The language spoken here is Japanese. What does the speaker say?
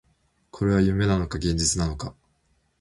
これは夢なのか、現実なのか